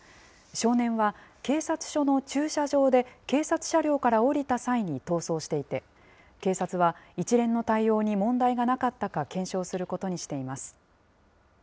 少年は、警察署の駐車場で警察車両から降りた際に逃走していて、警察は、一連の対応に問題がなかったか検証することにしています。